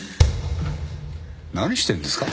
何してんですか？